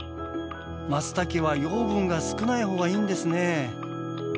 マツタケは養分が少ないほうがいいんですね。